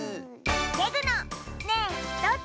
レグの「ねえどっち？」。